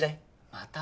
また？